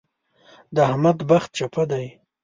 د احمد بخت چپه دی.